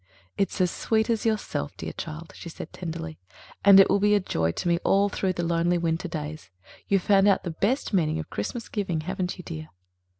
"It's as sweet as yourself, dear child," she said tenderly. "And it will be a joy to me all through the lonely winter days. You've found out the best meaning of Christmas giving, haven't you, dear?"